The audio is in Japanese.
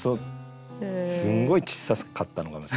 すんごいちっさかったのかもしれない本当に。